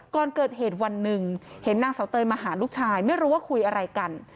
ก่อนเกิดเหตุวันหนึ่งเห็นนางเสาเตยมาหาลูกชายไม่รู้ว่าคุยอะไรกัน